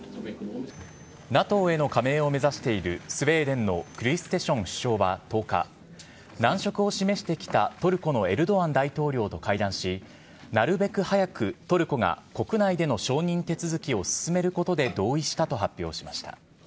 ＮＡＴＯへの加盟を目指しているスウェーデンのクリステション首相は１０日、難色を示してきたトルコのエルドアン大統領と会談し、なるべく早くトルコが国内での承認手続きを進めることで同意したと発表しました。